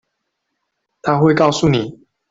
她會告訴你